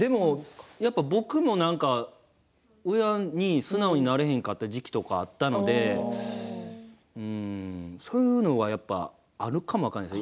僕も親に素直になれんかった時期もあったのでそういうのは、やっぱあるかも分からんですね。